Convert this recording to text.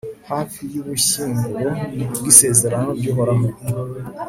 hafi y'ubushyinguro bw'isezerano ry'uhoraho